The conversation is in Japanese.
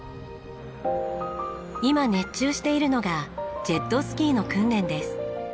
今熱中しているのがジェットスキーの訓練です。